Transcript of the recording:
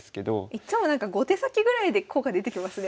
いつもなんか５手先ぐらいで効果出てきますね